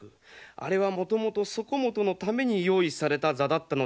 あれはもともとそこもとのために用意された座だったのでおじゃるぞ。